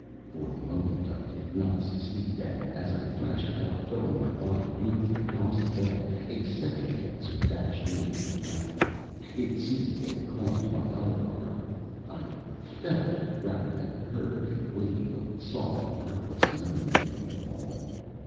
For the moment I did not succeed and as I thrashed about, throwing my body nearly across the bed, a second dancer dashed in from the left. It seized and clamped my other arm. I felt, rather than heard, a wave of soft, wordless merriment from them all.